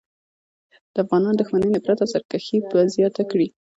د افغانانو دښمني، نفرت او سرکښي به زیاته کړي.